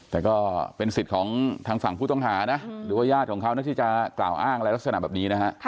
แต่ก็เป็นสิทธิ์ของทางฝั่งผู้ต้องหานะหรือว่าญาติของเขานะที่จะกล่าวอ้างอะไรลักษณะแบบนี้นะฮะ